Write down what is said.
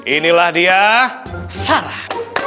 inilah dia sarah